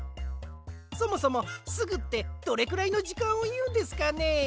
そもそも「すぐ」ってどれくらいのじかんをいうんですかね？